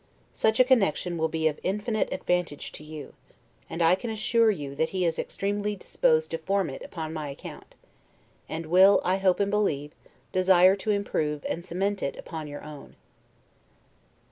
Such a connection will be of infinite advantage to you; and, I can assure you, that he is extremely disposed to form it upon my account; and will, I hope and believe, desire to improve and cement it upon your own.